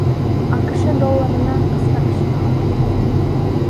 АКШ долларына кыскарышына алып келген.